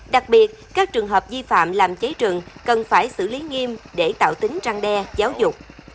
đặc biệt các trường hợp di phạm làm cháy rừng cần phải xử lý nghiêm để tạo tính răng đe giáo dục